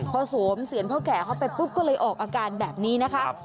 พอสวมเสียรพ่อแก่เข้าไปปุ๊บก็เลยออกอาการแบบนี้นะคะ